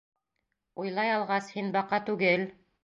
— Уйлай алғас, Һин баҡа түге-ел.